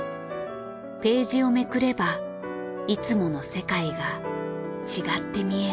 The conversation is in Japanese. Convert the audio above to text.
ページをめくればいつもの世界が違って見える。